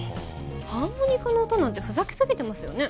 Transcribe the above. ハーモニカの音なんてふざけすぎてますよね